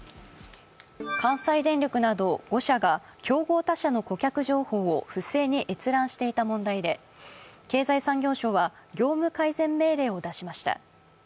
関西電力など５社が競合他社の顧客情報を不正に閲覧していた問題で、経済産業省は業務改善命令を出しました。